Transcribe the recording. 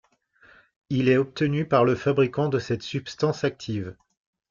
Il est obtenu par le fabricant de cette substance active.